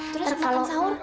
terus makan saur